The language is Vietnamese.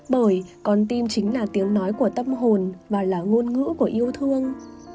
bởi con tim chính là tiếng nói của tâm hồn và là ngôn ngữ của yêu thương